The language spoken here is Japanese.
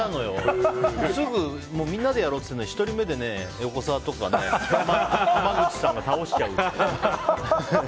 すぐ、みんなでやろうっていうのに１人目で、横澤とかね濱口さんが倒しちゃうっていう。